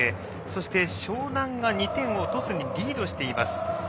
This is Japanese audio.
そして、湘南が２点を鳥栖にリードしています。